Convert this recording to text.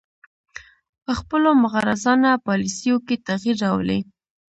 خپلو مغرضانه پالیسیو کې تغیر راولي